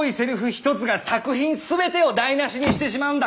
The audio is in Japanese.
ひとつが作品全てを台なしにしてしまうんだ。